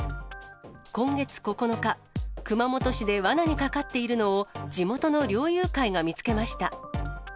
今月９日、熊本市でわなにかかっているのを、地元の猟友会が見つけました。